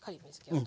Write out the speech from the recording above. うん。